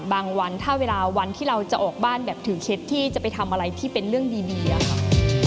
บางวันถ้าเวลาวันที่เราจะออกบ้านถึงเช็ดที่จะไปทำอะไรที่เป็นเรื่องดีเลยครับ